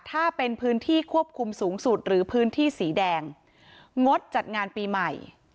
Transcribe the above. ถ้าเป็นพื้นที่ควบคุมสูงสุดหรือพื้นที่สีแดงงดจัดงานปีใหม่